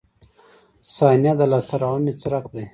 • ثانیه د لاسته راوړنې څرک دی.